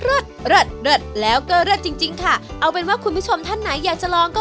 เลิศเลิศแล้วก็เลิศจริงจริงค่ะเอาเป็นว่าคุณผู้ชมท่านไหนอยากจะลองก็